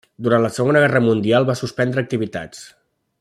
Durant la Segona Guerra Mundial va suspendre activitats.